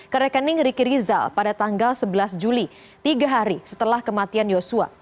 ke rekening riki rizal pada tanggal sebelas juli tiga hari setelah kematian yosua